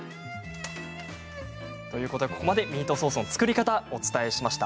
ここまでミートソースの作り方をお伝えしました。